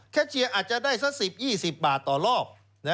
เชียร์อาจจะได้สัก๑๐๒๐บาทต่อรอบ